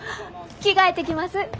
着替えてきます。